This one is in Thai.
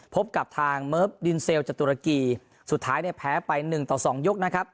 พบกับทางเมิร์ฟดินเซลจากตุรกีสุดท้ายเนี่ยแพ้ไปหนึ่งต่อสองยกนะครับ